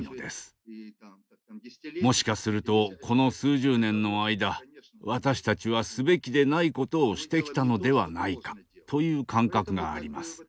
もしかするとこの数十年の間私たちはすべきでないことをしてきたのではないかという感覚があります。